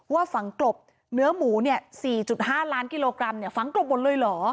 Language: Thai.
ฝังกลบเนื้อหมู๔๕ล้านกิโลกรัมฝังกลบหมดเลยเหรอ